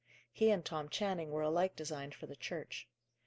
He and Tom Channing were alike designed for the Church.